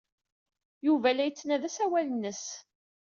Yuba la yettnadi asawal-nnes.